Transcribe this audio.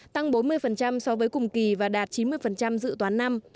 tăng bốn mươi so với cùng kỳ và đạt chín mươi dự toán năm